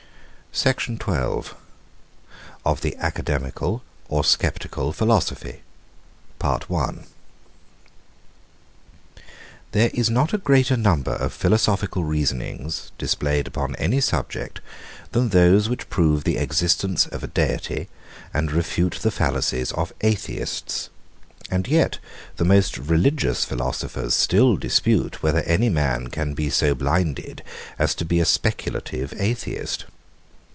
SECTION XII. OF THE ACADEMICAL OR SCEPTICAL PHILOSOPHY. PART I. 116. There is not a greater number of philosophical reasonings, displayed upon any subject, than those, which prove the existence of a Deity, and refute the fallacies of Atheists; and yet the most religious philosophers still dispute whether any man can be so blinded as to be a speculative atheist.